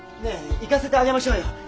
ねえ行かせてあげましょうよ。